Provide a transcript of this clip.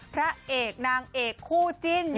พระเอกนางเอกคู่จิ้น